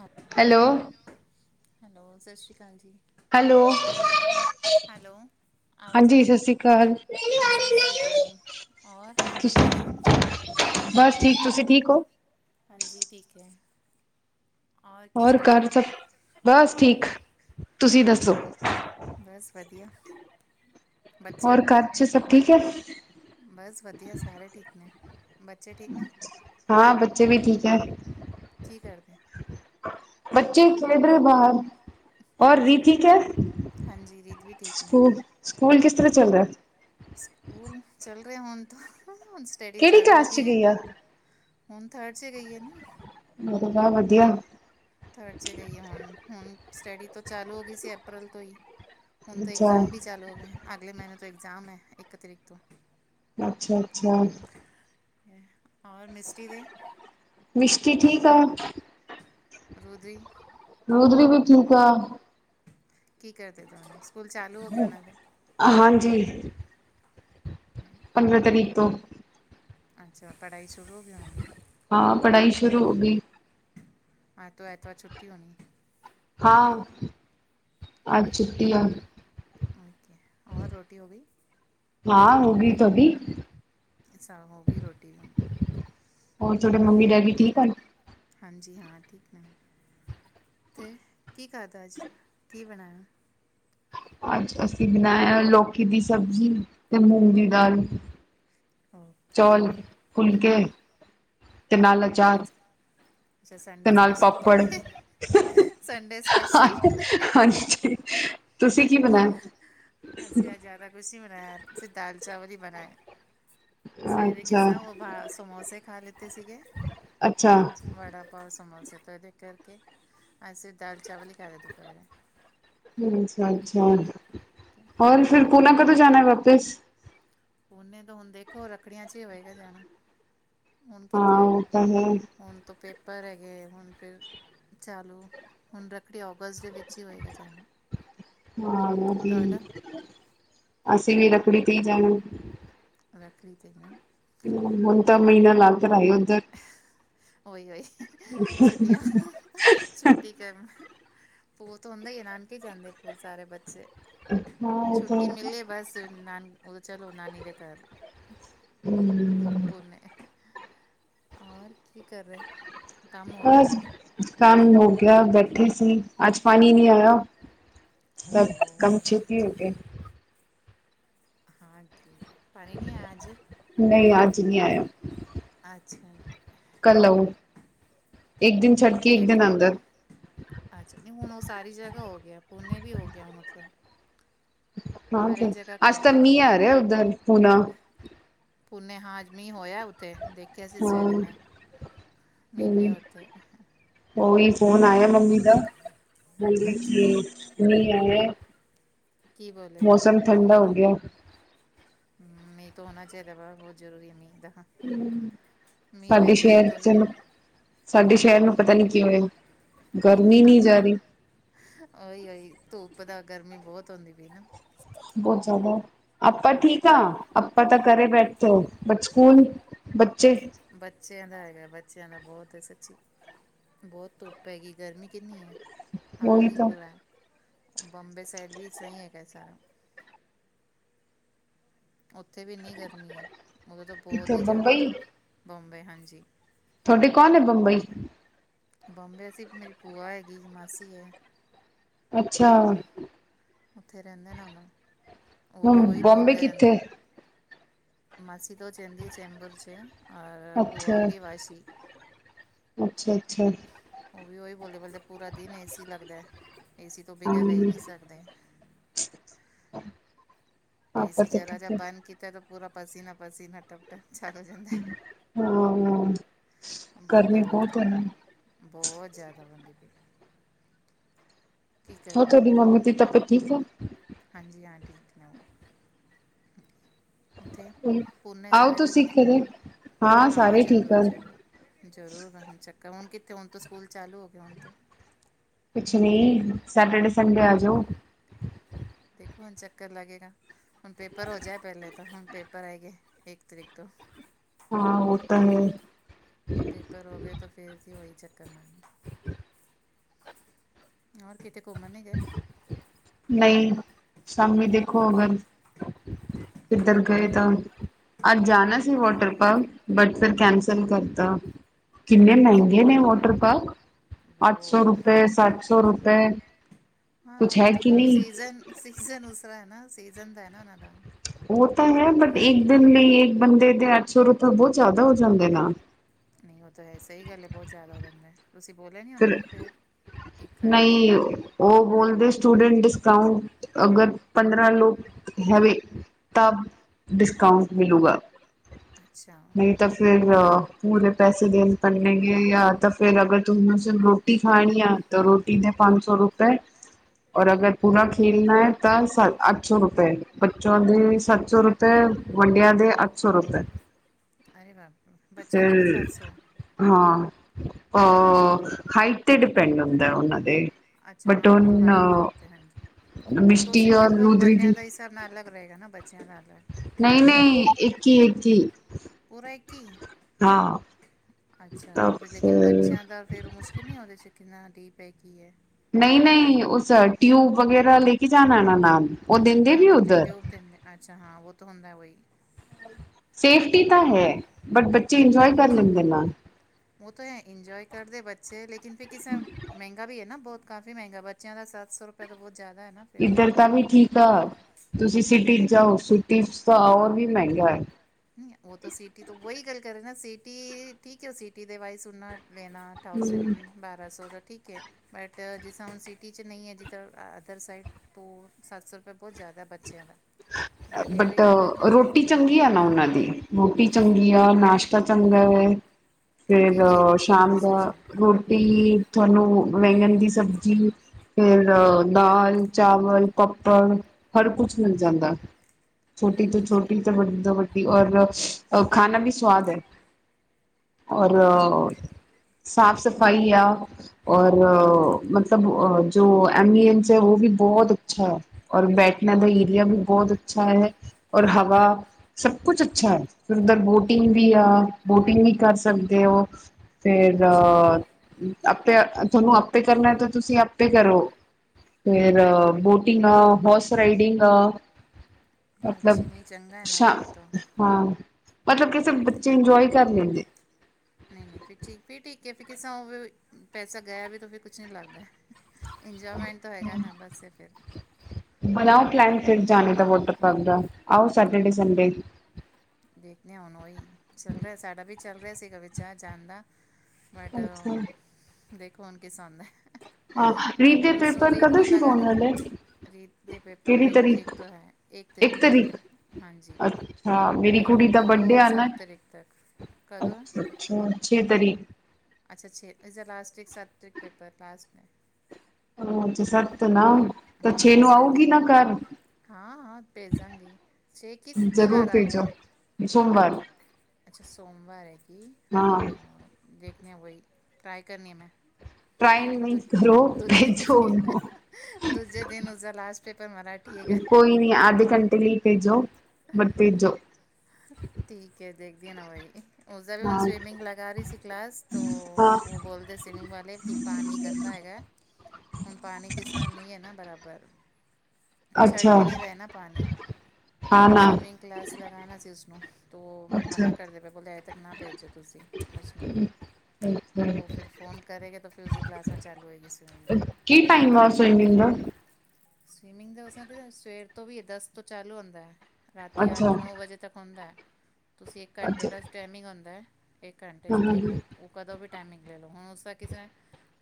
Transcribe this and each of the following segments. ਹੈ hello, hello, ਸਤਿ ਸ੍ਰੀ ਅਕਾਲ ਜੀ। ਹੈਲੋ, ਹੈਲੋ, ਆਵਾਜ ਹਾਂਜੀ ਆਉਂਦੀ ਸਤਿ ਸ਼੍ਰੀ ਪਈ। ਅਕਾਲ ਸਤਿ ਸ਼੍ਰੀ ਅਕਾਲ। ਔਰ ਕਿਵੇਂ? ਬਸ ਠੀਕ, ਤੁਸੀਂ ਠੀਕ ਹੋ? ਹਾਂਜੀ ਠੀਕ ਐ। ਹੋਰ ਕਰ, ਸਭ ਬਸ ਠੀਕ, ਤੁਸੀਂ ਦੱਸੋ? ਬਸ ਵਧੀਆ। ਬੱਚੇ ਹੋਰ ਘਰ ਚ ਸਭ ਠੀਕ ਹੈ ਬਸ ਵਧੀਆ, ਸਾਰੇ ਠੀਕ ਨੇ। ਬੱਚੇ ਠੀਕ ਨੇ ਅੱਛਾ। ਹਾਂ, ਬੱਚੇ ਵੀ ਠੀਕ ਹੈ। ਕੀ ਕਰਦੇ ਬੱਚੇ ਖੇਡ ਰਹੇ ਬਾਹਰ। ਔਰ ਰੀ ਅੱਛਾ, ਠੀਕ ਹੈ ਹਾਂਜੀ। ਰੀਤ ਵੀ ਠੀਕ ਨੇ। ਸਕੂਲ ਸਕੂਲ ਕਿਸ ਤਰ੍ਹਾਂ ਚੱਲ ਰਿਹਾ? ਸਕੂਲ ਚੱਲ ਰਹੇ, ਹੁਣ, ਤਾਂ ਹੁਣ ਸਟੱਡੀ ਕਿਹੜੀ ਚਾਲੂ ਹੋ ਕਲਾਸ ਚ ਗਈ ਐ। ਆ ਹੁਣ ਥਰਡ ਚ ਗਈ ਹੈ ਨਾ। ਹੋ ਬ ਵਧੀਆ। ਥਰਡ ਚ' ਗਈ ਆ ਹੁਣ ਹੁਣ ਸਟੱਡੀ ਤੋਂ ਚਾਲੂ ਹੋ ਗਈ ਸੀ ਅਪ੍ਰੈਲ ਤੋਂ ਹੀ। ਹੁਣ ਤਾਂ ਅੱਛਾ ਇਗਜ਼ਾਮ ਵੀ ਚਾਲੂ ਹੋ ਗਏ ਅਗਲੇ ਮਹੀਨੇ ਤੋਂ, ਐਗਜ਼ਾਮ ਹੈ ਇੱਕ ਤਰੀਕ ਤੋਂ। ਅੱਛਾ ਅੱਛਾ। ਔਰ ਮਿਸ਼ਟੀ ਦੇ ਮਿਸ਼ਟੀ ਠੀਕ ਆ। ਰੂਦਰੀ ਰੁਦਰੀ ਵੀ ਠੀਕ ਆ। ਕੀ ਕਰਦੇ ਤੁਹਾਨੂੰ ਸਕੂਲ ਚਾਲੂ ਹੋ ਗਏ ਉਹਨਾਂ ਦੇ। ਹਾਂਜੀ। ਹੈ ਪੰਦਰਾਂ ਤਾਰੀਖ ਤੋਂ। ਅੱਛਾ ਪੜ੍ਹਾਈ ਸ਼ੁਰੂ ਹੋ ਗਈ ਉਹਨਾਂ ਦੀ। ਹਾਂ ਪੜ੍ਹਾਈ ਸ਼ੁਰੂ ਹੋ ਗਈ। ਹਾਂ ਤੋਂ ਐਤਵਾਰ ਛੁੱਟੀ ਹੋਣੀ। ਹਾਂ ਅੱਜ ਜਾਏਗੀ ਛੁੱਟੀ ਆ। ਓਕੇ ਹੋਰ ਰੋਟੀ ਹੋ ਗਈ। ਸ ਉਹ ਵੀ ਰੋਟੀ ਹੁਣ ਹੋਰ ਤੁਹਾਡੇ ਮੰਮੀ ਡੈਡੀ ਠੀਕ ਹਨ। ਹਾਂਜੀ ਹਾਂ ਠੀਕ ਨੇ ਤੇ ਕੀ ਖਾਦਾ ਅੱਜ ਕੀ ਬਣਾਇਆ। ਅੱਜ ਅਸੀਂ ਬਣਾਇਆ ਲੋਕਕੀ ਦੀ ਸਬਜ਼ੀ ਤੇ ਮੂੰਗੀ ਦੀ ਦਾਲ। ਚੌਲ ਓਕੇ ਫੁਲਕੇ ਤੇ ਨਾਲ ਆਚਾਰ। ਅੱਜ ਅੱਛਾ ਤੇ ਸੰਡੇ ਨਾਲ ਸਪੈਸ਼ਲ ਕੀ ਪਾਪੜ। ਸੰਡੇ ਹ ਸਪੈਸ਼ਲ ਹਜੀ। ਤੁਸੀਂ ਕੀ ਬਣਾਇ। ਅਸੀ ਬਣਾਇਆ ਦਾਲ ਚਾਵਲ ਹੀ ਬਣਾਇਆ ਸਵੇਰੇ ਅੱਛਾ ਕਿਸਾ ਓ [unintelligible] ਖਾ ਸਮੋਸੇ ਖਾ ਲਿੱਤੇ ਸੀਗੇ ਅੱਛਾ ਵੜਾ ਪਾਓ ਸਮੋਸੇ ਤੋਂ ਇਹ ਦੇਖ ਕਰਕੇ ਅਸੀ ਦਾਲ ਚਾਵਲ ਹੀ ਖਾ ਦੇ ਦੋਪਹਿਰੇ। ਅੱਛਾ ਅੱਛਾ ਹੋਹ। ਫਿਰ ਪੂਨਾ ਕਦੋਂ ਜਾਣੈ ਵਾਪਿਸ। ਪੁਣੇ ਤਾਂ ਹੁਣ ਦੇਖੋ ਰੱਖੜੀਆਂ ਚ ਹੀ ਹੋਵੇਗਾ ਜਾਣਾ। ਹੁਣ ਹਾਂ ਕਿੱਥੇ ਉਹ ਤਾਂ ਹੈ ਹੁਣ ਤ ਪੇਪਰ ਹੈਗੇ ਹੁਣ ਫਿਰ। ਚਲੋ ਹੁਣ ਰੱਖੜੀ ਔਗਸਟ ਦੇ ਵਿੱਚ ਹੀ ਹੋਏਗਾ ਜਾਣਾ। ਹਾਂ ਤੁਹਾਡਾ ਅਸੀਂ ਵੀ ਰੱਖੜੀ ਤੇ ਜਾਣਾ। [unintelligible] ਹੁਣ ਤਾਂ ਮਹੀਨਾ ਲਾਲ ਤਾਂ ਓਧਰ [unintelligible] ਓਈ ਈ ਛੁੱਟੀਆਂ ਛੁੱਟੀ ਕਰਨ ਪੂ ਤੋਂ ਹੁੰਦਾ ਹੀ ਨਾਨਕੇ ਜਾਂਦੇ ਪੂ ਸਾਰੇ ਬੱਚੇ। ਹਾਂ ਉਹ ਤਾਂ ਛੁੱਟੀ ਮਿਲੇ ਬਸ ਨਾਨ ਉਹ ਚਲੋ ਨਾਨੀ ਦੇ ਘਰ। ਬ [unintelligible] ਪੁਨੇ ਔਰ ਕੀ ਕਰ ਰਹੇ। ਕੰਮ ਹੋ ਗਿਆ ਬਸ ਕੰਮ ਹੋ ਗਿਆ ਬੈਠੇ ਸੀ ਅੱਜ ਪਾਣੀ ਨਹੀ ਆਇਆ। ਮਬ ਉਹ ਕਮ ਛੇਤੀ ਹੋ ਗਿਆ। ਹਾਂਜੀ ਪਾਣੀ ਨੀ ਆ ਅੱਜ। ਨਹੀਂ ਅੱਜ ਨਹੀਂ ਆਇਆ ਅੱਛਾ ਜੀ। ਕ ਲਊ ਇੱਕ ਦਿਨ ਛਟ ਇੱਕ ਅੱਛਾ ਨਹੀਂ ਹੁਣ ਉਹ ਸਾਰੀ ਜਗ੍ਹਾ ਹੋ ਗਿਆ। ਪੂਨੇ ਵੀ ਹੋ ਗਿਆ ਹੁਣ ਉੱਥੇ। ਹਾਂ ਅਜ ਤਾਂ ਕਰਤਾ ਹੁਣ ਮੀਂਹ ਆ ਰਿਹਾ ਉਧਰ ਪੁਣਾ। ਪੁੰਨੇ ਹਾਂ ਅੱਜ ਮੀਂਹ ਹੋਇਆ ਉੱਥੇ ਦੇਖ ਕਿਹਾ ਸੀ ਹਾਂ ਸਵੇਰੇ ਮੈਂ ਮੀਂਹ ਉਹੀ ਪਿਆ ਉੱਥੇ। ਉਹੀ ਫੋਨ ਆਇਆ ਮੰਮੀ ਦਾ ਕਹਿੰਦੇ ਅੱਛਾ ਕਿ ਮੀਂਹ ਆਯਾ ਕੀ ਬੋਲੇ ਫਿਰ ਮੌਸਮ ਠੰਡਾ ਹੋ ਗਿਆ। ਮ ਮੀਂਹ ਤਾਂ ਹੋਣਾ ਚਾਹੀਦਾ ਵਾ ਬਹੁਤ ਜ਼ਰੂਰੀ ਹੈ ਮੀਂਹ ਤਾਂ। ਸਾਡੇ ਸ਼ੇਰ ਤਾਂ ਚ ਹੀ ਹੈ ਸਾਡੇ ਸ਼ਹਿਰ ਨੂੰ ਪਤਾ ਨੀ ਕੀ ਹੋਇਆ। ਗਰਮੀ ਨਹੀ ਜਾ ਰਹੀ। ਉਹੀ ਓਹੀ, ਧੁੱਪ ਦਾ ਗਰਮੀ ਬਹੁਤ ਹੁੰਦੀ ਪਈ ਨਾ। ਬਹੁਤ ਜ਼ਿਆਦਾ। ਆਪਾ ਠੀਕ ਆਂ, ਆਪਾ ਤਾਂ ਘਰੇ ਬੈਠੇ ਆਂ। ਬਟ ਸਕੂਲ, ਬੱਚੇ ਬੱਚਿਆਂ ਦਾ ਹੈਗਾ, ਬੱਚਿਆਂ ਦਾ ਬਹੁਤ ਹੈ ਸੱਚੀ ਬਹੁਤ ਧੁੱਪ ਹੈੈਗੀ। ਗਰਮੀ ਕਿੰਨੀ ਏ। ਹਾਲ ਉਹੀ ਹੀ ਤਾਂ ਬੁਰਾ, ਬੰਬੇ ਸਾਈਡ ਵੀ ਇਸ ਤਰ੍ਹਾਂ ਹੀ ਹੈਗਾ ਸਾਰਾ। ਉੱਥੇ ਵੀ ਇੰਨੀ ਗਰਮੀ ਹੈ। ਉਦੋਂ ਤੋਂ ਬਹੁਤ ਕਿੱਥੇ ਹੀ ਜ਼ਿਆਦਾ। ਬੰਬਈ ਬੰਬੇ ਹਾਂਜੀ। ਤੁਹਾਡੇ ਕੋਣ ਐ ਬੰਬਈ। ਬੰਬੇ ਸੇ ਇਕ ਮੇਰੀ ਭੂਆ ਹੈਗੀ, ਇਕ ਮਾਸੀ ਹੈ। ਅੱਛਾ। ਉੱਥੇ ਰਹਿੰਦੇ ਨਾ ਉਹ, ਉਹ ਵੀ ਉਹੀ ਬੋਮਬੇ ਬੋਲਦੇ ਰਹਿੰਦੇ। ਕਿੱਥੇ ਮਾਸੀ ਤੋਂ। ਚਦੀ ਚੈਂਬਰ ਚ ਹੁੰ, ਭੂਆ ਅੱਛਾ ਹੁੰਦੀ ਵਾਸ਼ੀ। ਅੱਛਾ ਅੱਛਾ ਉਹ ਵੀ ਉਹੀ ਬੋਲੇ। ਮਤਲਬ ਪੂਰਾ ਦਿਨ ਏ ਸੀ ਲੱਗਦਾ, ਏ ਸੀ ਤੋਂ ਬਗੈਰ ਰਹਿ ਹੀ ਹਾਂ ਨਹੀਂ ਸਕਦੇ। ਏ ਆਪਾਂ ਸੀ ਤਾਂ ਜ਼ਰਾ ਜਾ ਠੀਕ ਹੈ ਬੰਦ ਕੀਤਾ। ਤੇ ਪੂਰਾ ਪਸੀਨਾ ਪਸੀਨਾ ਟਪ ਚੱਲ ਹੋ ਜਾਂਦਾ, ਹਾਂ ਬਹੁਤ ਗਰਮੀ ਹਾਲਤ ਹੈ ਨਾ ਖਰਾਬ ਬਹੁਤ ਜ਼ਿਆਦਾ ਬਣਦੀ ਪਈ। ਕੀ ਕਰੇ ਹੁਣ ਤੁਹਾਡੀ ਫਿਰ ਮੰਮੀ ਦੀ ਤਬੀਅਤ ਠੀਕ ਹੈ। ਹਾਂਜੀ, ਹਾਂ ਠੀਕ ਨੇ ਓ। [unintelligible] ਉੱਥੇ ਹੈ ਪੂਨੇ ਆਓ ਸਾਰੇ ਠੀਕ ਤੁਸੀਂ ਨੇ। ਘਰੇ ਹਾਂ ਸਾਰੇ ਠੀਕ ਜ਼ਰੂਰ ਹਨ ਜ਼ਰੂਰ। ਜ਼ਰੂਰ ਲਗਾਉ ਚੱਕਰ। ਹੁਣ ਕਿੱਥੇ ਹੁਣ ਤੋਂ ਸਕੂਲ ਚਾਲੂ ਹੋ ਗਏ ਹੁਣ ਤੋਂ। ਕੁਛ ਨਹੀਂ। ਸੈਟਰਡੇ ਸੰਡੇ ਆ ਜਾਓ। ਦੇਖੋ ਹੁਣ ਚੱਕਰ ਲੱਗੇਗਾ। ਹੁਣ ਪੇਪਰ ਹੋ ਜਾਏ ਪਹਿਲੇ ਤਾਂ ਹੁਣ ਪੇਪਰ ਆਏਗੇਏ ਇੱਕ ਤਰੀਕ ਤੋਂ। ਹਾਂ, ਉਹ ਤਾਂ ਹੈ। ਪੇਪਰ ਹੋ ਗਏ ਤਾਂ। ਫਿਰ ਸੀ ਹੋਈ ਚੱਕਰ ਮਨੋ। ਹੋਰ ਕਿਤੇ ਘੁੰਮਣ ਨੀ ਗਏ। ਨਹੀਂ। ਸ਼ਾਮੀਂ ਦੇਖੋ ਅਗਰ ਕਿੱਧਰ ਗਏ ਤਾਂ। ਅੱਜ ਜਾਣਾ ਸੀ ਵਾਟਰ ਪਾਰਕ। ਬਟ, ਫਿਰ ਕੈਂਸਲ ਕਰਤਾ। ਕਿੰਨੇ ਮਹਿੰਗੇ ਨੇ ਵਾਟਰ ਪਾਰਕ। ਆਠ ਸੌ ਰੁਪਏ, ਸੱਤ ਸੌ ਰੁਪਏ। ਹਾਂ ਕੁਛ ਉਹ ਹੈ ਤਾਂ ਕਿ ਹੁਣ ਨਹੀਂ ਸੀਜਨ- ਸੀਜਨ ਦੂਸਰਾ ਹੈ ਨਾ ਸੀਜਨ ਦਾ ਨਾ ਉਹਨਾਂ ਦਾ। ਉਹ ਤਾਂ ਹੈ। ਬਟ ਇੱਕ ਦਿਨ ਲਈ ਇੱਕ ਬੰਦੇ ਦੇ ਅੱਠ ਸੌ ਰੁਪਏ ਬਹੁਤ ਜ਼ਿਆਦਾ ਹੋ ਜਾਂਦੇ ਨਾ। ਨਹੀਂ। ਉਹ ਤਾਂ ਹੈ ਸਹੀ ਗੱਲ ਹੈ ਬਹੁਤ ਜ਼ਿਆਦਾ ਹੋ ਜਾਂਦਾ। ਤੁਸੀਂ ਬੋਲਿਆ ਨਹੀਂ ਉਹਨਾਂ ਨੂੰ ਫਿਰ। ਕੀ ਘੱਟ ਹੈ ਨਹੀਂ ਓਹ ਬੋਲਦੇ ਸਟੂਡੈਂਟ ਡਿਸਕਾਊਂਟ, ਅਗਰ ਪੰਦਰਾਂ ਲੋਕ ਹੈ ਵੇ ਤਾਂ ਡਿਸਕਾਊਂਟ ਮਿਲੂਗਾ। ਅੱਛਾ। ਨਹੀਂ ਤਾਂ ਫੇਰ ਪੂਰੇ ਪੈਸੇ ਦੇਣ ਪੈਣਗੇ ਜਾਂ ਤਾਂ ਫਿਰ ਅਗਰ ਜੇ ਸਭ ਨੇ ਰੋਟੀ ਖਾਣੀ ਆ ਤਾਂ ਰੋਟੀ ਦੇ ਪੰਜ ਸੌ ਰੁਪਏ ਓਰ ਅਗਰ ਪੂਰਾ ਖੇਲਨਾ ਐ ਤਾਂ ਸਾ ਅੱਠ ਸੌ ਰੁਪਏ ਬੱਚੋ ਦੇ ਸੱਤ ਸੋ ਰੁਪ ਤੇ ਵਡਿਆ ਦੇ ਅੱਠ ਸੋ ਰੁਪਏ। ਅਰੇ ਬਾਪ, ਬੱਚਿਆਂ ਦੇ ਪਰ ਫਿਰ ਸਾਤ ਸੌ। ਹਾਂ, ਉਹ ਹਾਈਟ ਤੇ ਡਿਪੈਂਡ ਹੁੰਦੈ ਓਨਾਂ ਦੇ। ਅੱਛਾ ਬਟ ਹਾਂ, ਉਹ ਤੋਂ ਹੁਣ ਹਾਈਟ ਦੇ ਉੱਤੇ ਹਾਂਜੀ। ਤ ਮਿਸ਼ਟੀ ਸਵੀਮਿੰਗ ਔਰ ਪੂਲ ਰੂਦਰੀ ਵੱਡਿਆਂ ਦੀ ਦਾ ਹੀ ਦਾ ਅਲੱਗ ਰਹੇਗਾ, ਨਾ ਬੱਚਿਆਂ ਦਾ ਅਲਗ। ਨਹੀ- ਨਹੀਂ, ਇੱਕ ਹੀ -ਇੱਕ ਹੀ ਪੂਰਾ ਇਕ ਹੀ। ਹਾਂ ਅੱਛਾ, ਤੋ ਫਿਰ ਲੇਕਿਨ ਬੱਚਿਆਂ ਦਾ ਫੇਰ ਮੁਸ਼ਕਿਲ ਨੀ ਓਹਦੇ ਚ ਕਿੰਨਾ ਡੀਪ ਏ ਕੀ ਐ? ਨਹੀਂ-ਨਹੀਂ, ਉਸ ਟਿਊਬ ਵਗੈਰਾ ਲੇ ਕੇ ਜਾਣਾ ਨਾ ਨਾਲ ਓਹ ਅੱਛਾ ਦੇਦੇ ਵੀ ਨਾਲ ਉਹਦੇ ਔਧਰ। ਟਿਊਬ ਦਿੰਦੇ ਅੱਛਾ, ਹਾਂ ਉਹ ਤਾਂ ਹੁੰਦਾ ਉਹੀ। ਸੇਫਟੀ ਤਾਂ ਹੈ, ਬਟ ਬੱਚੇ ਇੰਜੋਏ ਕਰ ਲੈਂਦੇ ਨਾ। ਓਹ ਤਾਂ ਐ ਇੰਜੋਏ ਕਰਦੇ ਬੱਚੇ, ਲੇਕਿਨ ਫਿਰ ਕਿਸੇ ਮੈੰਗਾ ਵੀ ਏ ਨਾ ਬੌਤ। ਕਾਫੀ ਮੈੰਗਾ ਬੱਚਿਆਂ ਦਾ ਸੱਤ ਸੌ ਰੁਪਏ ਤੋਂ ਬੋਤ ਜੈਦਾ ਐ ਨਾ। ਫਿਰ ਇੱਧਰ ਤਾਂਵੀ ਠੀਕ ਆ ਤੁਸੀਂ ਸਿਟੀ ਚ ਜਾਓ ਸਿਟੀ ਚ ਤਾਂ ਔਰ ਵੀ ਮੈੰਗਾ ਐ। ਨੀ, ਓਹ ਤੋ ਸਿਟੀ ਤੋਂ ਵੋਹੀ ਗੱਲ ਕਰਰੇ ਨਾ ਸਿਟੀ ਠੀਕ ਏ ਔ ਸਿਟੀ ਦੇ ਵਾਈਸ ਉਹਨਾਂ ਲੈਨਾ ਹਮ ਥਾਊਜਣ। ਬਾਰ੍ਹਾਂ ਸੌ ਦਾ ਠੀਕ ਹੈ ਬਟ ਜਿੱਸਾ ਸਿਟੀ 'ਚ ਨਹੀਂ ਹੈ ਜੀਦਾ ਅਦਰ ਸਾਈਡ ਤੋ ਸੱਤ ਸੌ ਰੁਪਏ ਬਹੁਤ ਜ਼ਿਆਦਾ ਬੱਚਿਆਂ ਦਾ। ਵੱਡਿਆਂ ਦੀ ਬਟ ਗੱਲ ਵੱਖਰੀ ਹੈ ਰੋਟੀ ਬਟ ਚੰਗੀ ਆ ਨਾ ਉਹਨਾਂ ਦੀ। ਰੋਟੀ ਚੰਗੀ ਆ, ਨਾਸ਼ਤਾ ਚੰਗਾ ਐ। ਕੀ ਫੇਰ ਕੀ ਰੋਟੀ ਸ਼ਾਮ ਨਾਸ਼ਤੇ 'ਚ ਦਾ ਰੋਟੀ ਤੁਹਾਨੂੰ, ਵੈਂਗਣ ਦੀ ਸਬਜ਼ੀ ਫਿਰ ਦਾਲ, ਚਾਵਲ, ਪਪੜ ਹਰ ਕੁਛ ਮਿਲ ਜਾਂਦਾ। ਛੋਟੀ ਤੋਂ ਅੱਛਾ ਹੈ। ਛੋਟੀ ਤੇ ਵੱਡੀ ਤੋਂ ਵੱਡੀ ਔਰ ਖਾਣਾ ਵੀ ਸਵਾਦ ਹੈ। ਔਰ ਅੱਛਾ ਖਾਣਾ ਸਾਫ਼-ਸਫ਼ਾਈ ਆ। ਔਰ ਮਤਲਬ ਜੋ ਐਮਬੀਅੰਸ ਹੈ ਉਹ ਵੀ ਬਹੁਤ ਅੱਛਾ ਹੈ। ਔਰ ਨਹੀਂ ਬੈਠਣਾ ਦਾ ਨਹੀਂ ਈਰੀਆ ਵੀ ਬੋਤ ਅੱਛਾ ਹੈ, ਔਰ ਹਵਾ ਸਭ ਕੁਛ ਅੱਛਾ ਹੈ, ਫਿਰ ਉੱਧਰ ਬੋਟਿੰਗ ਵੀ ਆ ਬੋਟਿੰਗ ਵੀ ਕਰ ਸਕ ਤੰਦੇ ਔ ਤੇ ਫੇਰ ਅੱਛਾ ਹੈ ਆਪੇ ਤੁਹਾਨੂੰ ਆਪੇ ਕਰਨਾ ਤੇ ਤੁਸੀਂ ਆਪੇ ਕਰੋ ਫੇਰ ਬੋ ਰਿੰਗ ਹਾ, ਹੋਰਸ ਰਾਇਡਿਂਗ ਹਾ ਮਤਲਬ ਅੱਛੀ ਨਹੀਂ ਚੰਗਾ ਹੈ ਨਾ ਸ਼ਾਮ ਫਿਰ ਤਾਂ ਹਾਂ, ਮਤਲਬ ਕੇ ਸਬ ਬੱਚੇ ਇੰਜੋਏ ਕਰ ਲੈਂਦੇ। ਨਹੀਂ-ਨਹੀਂ, ਫਿਰ ਠੀਕ, ਫਿਰ ਠੀਕ ਏ ਫਿਰ ਕਿਸਾ ਔਈ ਪੈਸਾ ਗਯਾ ਵੀ ਤੋ ਫੇਰ ਕੁਛ ਨੀ ਲੱਗਦਾ। ਇੰਜੋਏਮੈਂਟ ਤਾ ਹੈਗਾ ਨਾ ਬੱਸ ਤੋ ਫੇਰ ਬਣਾਓ ਪਲੈਨ ਫਿਰ ਜਾਣੇ ਦਾ ਬਹੁਤ ਟਪਕਾ ਹੁੰਦਾ, ਆਓ ਸੈਟਰਡੇ, ਸੰਡੇ ਦੇਖਦੇ ਹਾ, ਹੁਣ ਓਹੀ ਚੱਲ ਰਿਆ ਸਾਡਾ ਵੀ ਚੱਲ ਰਿਆ ਸੀਗਾ ਵਿਚਾਰ ਜਾਣ ਦਾ। ਬਟ ਅੱਛਾ। ਦੇਖੋ ਹੁਣ ਕਿਸ ਤਰਹ ਹੁੰਦਾ। ਹਾਂ ਰੀਤ ਦੇ ਬੱਸ ਨੂੰ ਪੇਪਰ ਰੀਤ ਕਦੋਂ ਨੂੰ ਸ਼ੁਰੂ ਹੋਣ ਲਗਾਣਾ ਸੀ। ਵਾਲੇ ਰੀਤ ਦੇ ਪੇਪਰ ਹੁਣ ਇੱਕ ਤਰੀਕ ਤੋਂ ਹੈ ਇੱਕ ਤਰੀਕ ਤੋਂ। ਹਾਂਜੀ, ਅੱਛਾ ਮੇਰੀ ਇੱਕ ਕੁੜੀ ਦਾ ਬਰਡੇ ਤੋਂ ਸੱਤ ਤਰੀਕ ਤੱਕ, ਕਦੋਂ ਹੈ? ਅੱਛਾ-ਅੱਛ ਛੇ ਤਰੀਕ ਅੱਛਾ, ਛੇ ਇਜਦਾ ਅ ਲਾਸਟ ਇਕ ਸੱਤ ਤਰੀਕ ਪੇਪਰ ਲਾਸਟ ਨੇ। ਹ ਅੱਜੀ ਸੱਤ ਨਾ, ਤੇ ਛੇ ਨੂੰ ਆਊਗੀ ਨਾ ਘਰ। ਹਾਂ-ਹਾਂ, ਭੇਜ ਦਾਂਗੀ ਛੇ ਕਿਸ ਕੀ ਵਾਰ ਜ਼ਰੂਰ ਆ ਰਿਹਾ? ਭੇਜੋ। ਸੋਮਵਾਰ ਅੱਛਾ, ਸੋਮਵਾਰ ਹੈ ਕਿ? ਹਾਂ ਵੇਖਨੀ ਹੈ ਹੋਏ ਟਰਾਈ ਕਰਨੀ ਹਾ ਮੈਂ। ਟਰਾਈ ਨਹੀਂ ਦ ਕਰੋ ਦੂਜੇ ਭੇਜੋ ਉਹਨੂੰ। ਦਿਨ-ਦੂਜੇ ਦਿਨ ਉਸ ਦਾ ਲਾਸਟ ਪੇਪਰ ਮਰਾਠ ਕੋਈ ਨੀ ਅੱਧੇ ਘੰਟੇ ਲਈ ਭੇਜੋ ਬਟ ਭੇਜੋ। ਠੀਕ ਹੈ, ਦੇਖਦੇ ਨਾ ਬਾਈ। ਉਸਦਾ ਵੀ ਉਨ ਹਾਂ। ਸਵੀਮਿੰਗ ਲਗਾ ਰਹੀ ਸੀ ਕਲਾਸ ਤੋ ਵੋ ਬੋਲਦੇ ਸਵੀਮਿੰਗ ਵਾਲੇ ਕਿ ਪਾਣੀ ਗੰਦਾ ਹੈਗਾਆ। ਹੁਣ ਪਾਣੀ ਕਿਸੇ ਨਹੀਂ ਹੈ ਨਾ ਬਰਾਬਰ। ਛੜ ਅੱਛਾ ਵੀ ਨਹੀਂ ਰਹੇ ਨਾ ਪਾਣੀ, ਹਾਂ ਤੋ ਨਾ ਸਵਿਮਿੰਗ ਕਲਾਸ ਲਗਾਨਾ ਤੋ ਅੱਛਾ। ਮਨਾ ਕਰਦੇ ਪਏ ਬੋਲੇ ਅੱਜ ਤੱਕ ਨਾ ਭੇਜਓ ਤੁਸੀਂ ਓਸਨੂੰ। ਉਹ ਅੱਛਾ ਫਿਰ ਫੋਨ ਕਰੇਗਾ ਤਾਂ ਫਿਰ ਉਸਦੀ ਕਲਾਸਾਂ ਚਾਲੂ ਹੋਏਗੀ ਸਵਿਮਿੰਗ ਦੀ। ਕੀ ਟਾਈਮਿੰਗ ਸੇਵਿੰਮਿਂਗ ਦਾ? ਸਵੀਮਿੰਗ ਦਾ ਉਸ ਤਰਹ ਸਵੇਰ ਤੋਂ ਵੀ ਦਸ ਤੋਂ ਚਾਲੂ ਹੁੰਦਾ ਐ। ਰਾਤੀ ਅੱਛਾ ਅੱਠ-ਨੌ ਵਜੇ ਤੱਕ ਹੁੰਦਾ, ਤੁਸੀਂ ਇੱਕ ਘੰਟੇ ਅੱਛਾ। ਦਾ ਟੈਮਿੰਗ ਹੂੰਦਾ। ਇੱਕ ਘੰਟੇ ਹਾਂ 'ਚ ਹਾਂ ਖੇਡਣਾ ਉਹ ਕਦੋਂ ਵੀ ਟਾਈਮਿੰਗ ਲੈ ਲੋ, ਹੁਣ ਉਸਦਾ ਕਿਸੇ ਨੇ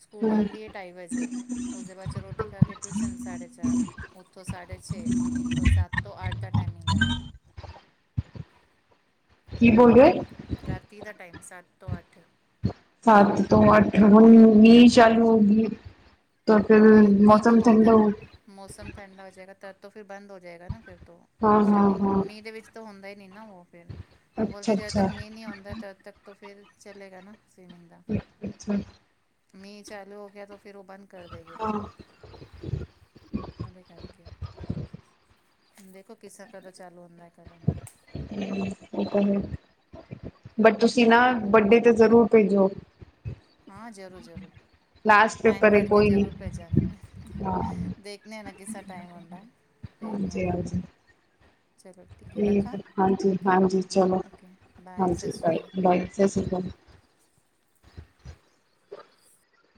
ਸਕੂਲ ਹਾਂ ਔੰਦੀ ਏ। ਢਾਈ ਵਜੇ ਉਸਦੇ ਬਾਦ ਚ ਰੋਟੀ ਖਾ ਕੇ ਟੂਸ਼ਨ ਸਾਢੇ ਚਾਰ ਉੱਥੋਂ ਸਾਢੇ ਛੇ। ਤੋ ਸੱਤ ਤੋਂ ਆੱਠ ਦਾ ਟਾਈਮਿੰਗ ਲਗਾਨਾ। ਕੀ ਬੋਲਿਆ ਰਾਤੀ ਦਾ ਟਾਈਮ ਸੱਤ ਤੋਂ ਅੱਠ। ਸਾਤ ਤੋਂ ਆਠ ਹੁਣ ਵੀ ਚਾਲੂ ਹੋਗੀ ਤਾਂ ਫਿਰ ਮੌਸਮ ਠੰਡਾ ਮੌਸਮ ਹੋਗਿਆ ਠੰਡਾ ਹੋਜਾਏਗਾ ਤ ਤਾ ਫਿਰ ਬੰਦ ਹੋ ਜਾਏਗਾ ਨਾ ਫਿਰ ਤੋਂ ਹਾਂ ਹਾਂ ਸਵੀਮਿੰਗ ਹਾਂ ਮੀਂਹ ਦੇ ਵਿੱਚ ਤਾਂ ਹੁੰਦਾ ਹੀ ਨਹੀਂ ਨਾ ਓਹ ਫੇਰ। ਵੋ ਅੱਛਾ ਬੋਲਦੇ ਜਦੋ ਅੱਛਾ। ਤਕ ਮੀਹ ਨਹੀਂ ਆਉਂਦਾ ਤਦ ਤੱਕ ਤੇ ਫੇਰ ਚਲੇਗਾ ਨਾ ਸਵੀਮਿੰਗ ਦਾ। ਅੱਛਾ! ਮੀਂਹ ਚਾਲੂ ਹੋ ਗਿਆ ਤੋ ਫਿਰ ਓਹ ਬੰਦ ਕਰ ਦੇ ਗੇ ਹਾਂ ਫਿਰ ਓਹ। ਔਂਦੇ ਕਰਕੇ ਦੇਖੋ ਕਿਸਰਾ ਕਦੋਂ ਚਾਲੂ ਹੁੰਦੈ ਕਦੋਂ ਨਹੀਂ। [unintelligible] ਬਟ ਤੁਸੀਂ ਨਾ ਬੱਡੇ ਤੇ ਜ਼ਰੂਰ ਭੇਜਿਓ ਹਾਂ ਜ਼ਰੂਰ ਜ਼ਰੂਰ ਟਾਈਮ ਪੇਪਰ ਏ ਕੱਢ ਕੇ ਕੋਈ ਨੀ। ਜ਼ਰੂਰ ਭੇਜਾਂਗੀ ਮੈਂ, ਹਾਂ ਦੇਖਣੇ ਅ ਨਾ ਕਿਸਾ ਟਾਈਮ ਆਉਂਦਾ ਹੈ ਭੇਜਨੀ ਆ ਹਾਂਜੀ ਫਿਰ ਮੈਂ ਹਾਂਜੀ। ਚਲੋ ਹੈ ਠੀਕ, ਰੱਖਾਂ ਹਾਂਜੀ ਹਾਂਜੀ, ਚਲੋ ਓਕੇ ਬਾਏ ਸਤਿ ਹਾਂਜੀ ਸ਼੍ਰੀ ਅਕਾਲ ਬਾਏ ਬਾਏ, ਸਤ ਸ੍ਰੀ ਕਾਲ।